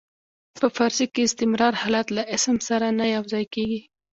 په فارسي کې د استمرار حالت له اسم سره نه یو ځای کیږي.